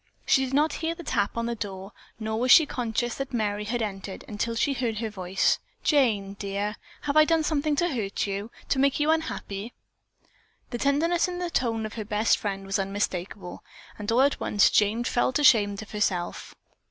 She did not hear the tap on the door, nor was she conscious that Merry had entered until she heard her voice: "Jane, dear, have I done anything to hurt you, to make you unhappy?" The tenderness in the tone of her best friend was unmistakable. All at once Jane felt ashamed of herself.